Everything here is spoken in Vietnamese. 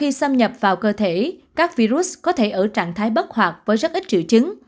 khi xâm nhập vào cơ thể các virus có thể ở trạng thái bất hoạt với rất ít triệu chứng